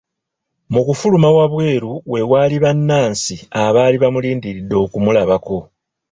Mu kufuluma wabweru we waali bannansi abaali balindiridde okumulabako.